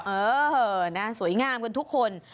เออนะสวยงามกันทุกคน